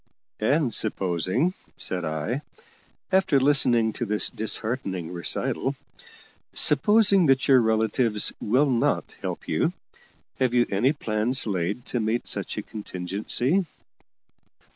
"And supposing," said I, after listening to this disheartening recital "supposing that your relatives will not help you, have you any plans laid to meet such a contingency?